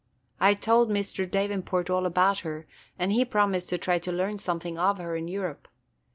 I told Mr. Davenport all about her, and he promised to try to learn something of her in Europe.